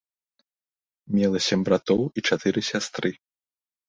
Мела сем братоў і чатыры сястры.